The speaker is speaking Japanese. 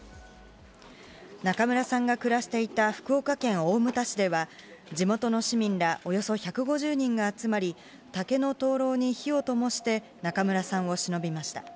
中村さんが暮らしていた福岡県大牟田市では、地元の市民らおよそ１５０人が集まり、竹の灯籠に火をともして、中村さんをしのびました。